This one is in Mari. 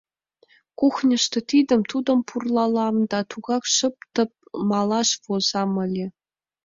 Кухньышто тидым-тудым пурлалам да тугак шып-тып малаш возам ыле.